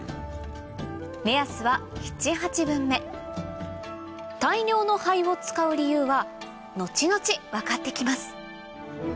目安は７８分目大量の灰を使う理由は後々分かって来ます